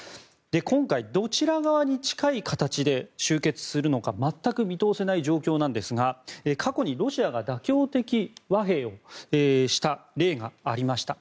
今回、どちら側に近い形で終結するのか全く見通せない状況なんですが過去にロシアが妥協的和平をした例がありました。